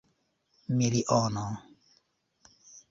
miliono